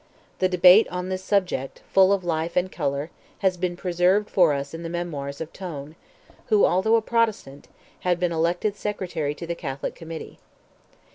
The debate on this subject, full of life and colour, has been preserved for us in the memoirs of Tone, who, although a Protestant, had been elected Secretary to the Catholic Committee.